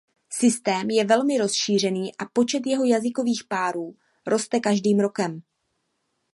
Systém je velmi rozšířený a počet jeho jazykových párů roste každým rokem.